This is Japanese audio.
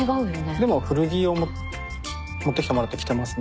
でも古着を持ってきてもらって着てますね。